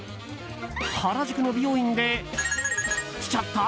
原宿の美容院で○○しちゃった？